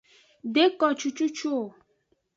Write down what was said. De ko cucucu o.